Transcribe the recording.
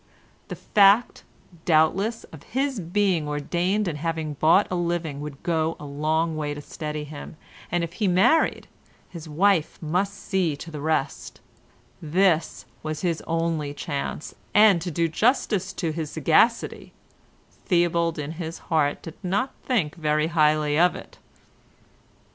The fact, doubtless, of his being ordained and having bought a living would go a long way to steady him, and if he married, his wife must see to the rest; this was his only chance and, to do justice to his sagacity, Theobald in his heart did not think very highly of it.